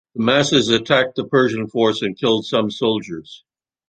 The masses attacked the Persian force and killed some soldiers.